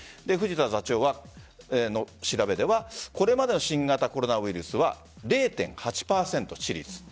藤田座長の調べではこれまでの新型コロナウイルスは０．８％の致死率。